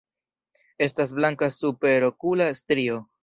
Estas blanka superokula strio.